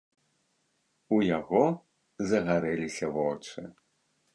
У яго загарэліся вочы.